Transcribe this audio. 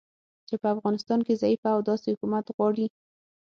چې په افغانستان کې ضعیفه او داسې حکومت غواړي